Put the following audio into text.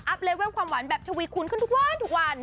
เลเวลความหวานแบบทวีคูณขึ้นทุกวันทุกวัน